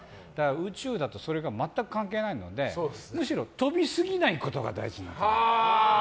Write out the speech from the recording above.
宇宙だとそれが全く関係ないのでむしろ跳びすぎないことが大事になってくる。